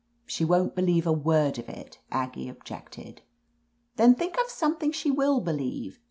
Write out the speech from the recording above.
"She won't believe a word of it," Aggie objected. "Then think up something she will believe.